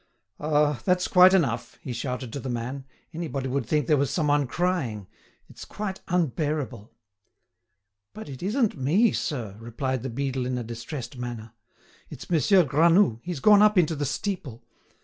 "Ah! that's quite enough!" he shouted to the man; "anybody would think there was some one crying; it's quite unbearable." "But it isn't me, sir," replied the beadle in a distressed manner. "It's Monsieur Granoux, he's gone up into the steeple.